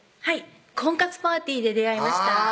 はい婚活パーティで出会いました